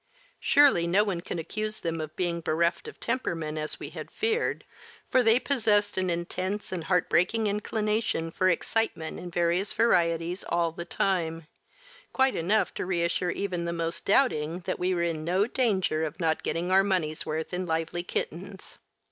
Surely no one could accuse them of being bereft of temperament, as we had feared, for they possessed an intense and heartbreaking inclination for excitement in various varieties all the time, quite enough to reassure even the most doubting that we were in no danger of not getting our money's worth in lively kittens.